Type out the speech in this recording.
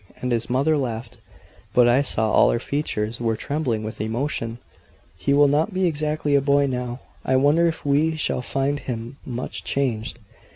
And his mother laughed; but I saw all her features were trembling with emotion. "He will not be exactly a boy now. I wonder if we shall find him much changed."